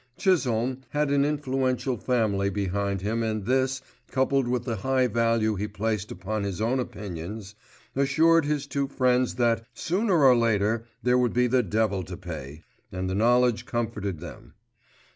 Chisholme had an influential family behind him and this, coupled with the high value he placed upon his own opinions, assured his two friends that, sooner or later, there would be the devil to pay, and the knowledge comforted them.